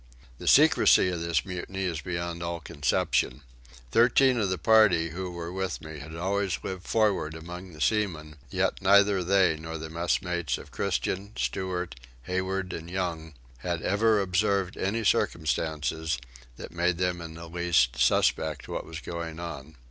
The secrecy of this mutiny is beyond all conception. Thirteen of the party who were with me had always lived forward among the seamen; yet neither they nor the messmates of Christian, Stewart, Haywood, and Young, had ever observed any circumstance that made them in the least suspect what was going on.